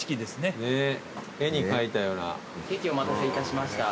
ケーキお待たせいたしました。